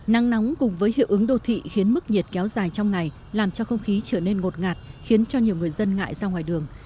nắng nóng cùng với hiệu ứng đô thị khiến mức nhiệt kéo dài trong ngày làm cho không khí trở nên ngột ngạt khiến cho nhiều người dân ngại ra ngoài đường